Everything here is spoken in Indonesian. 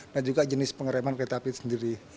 dan juga jenis pengereman kereta api sendiri